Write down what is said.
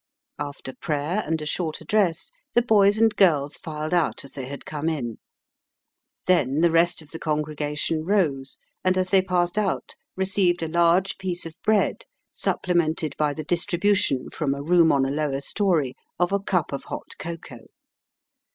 After prayer and a short address, the boys and girls filed out as they had come in. Then the rest of the congregation rose, and as they passed out received a large piece of bread, supplemented by the distribution from a room on a lower storey of a cup of hot cocoa.